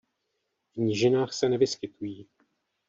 V nížinách se nevyskytují.